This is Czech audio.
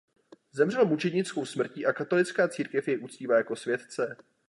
Zemřel mučednickou smrtí a katolická církev jej uctívá jako světce.